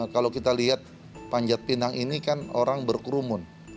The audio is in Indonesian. kalau kita lihat panjat pinang ini kan orang berkerumun